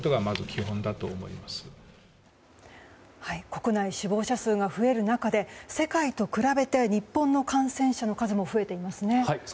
国内死亡者数が増える中で世界と比べて日本の感染者の数も増えていますね。